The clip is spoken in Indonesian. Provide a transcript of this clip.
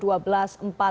yang dikendarai oleh asa